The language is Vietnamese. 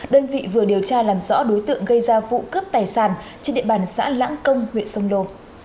đơn vị vừa điều tra làm rõ đối tượng gây ra vụ cướp tài sản trên địa bàn xã lãng công huyện sông lô